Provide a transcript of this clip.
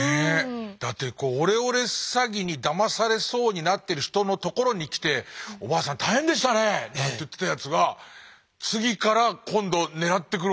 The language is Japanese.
だってオレオレ詐欺にだまされそうになってる人のところに来て「おばあさん大変でしたね」なんて言ってたやつが次から今度狙ってくるわけでしょ。